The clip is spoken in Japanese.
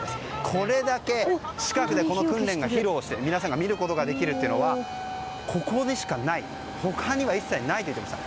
これだけ近くで訓練を披露して皆さんが見ることができるのはここでしかない他には一切ないと言っていました。